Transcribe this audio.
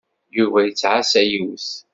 Yuba yettɛassa yiwet.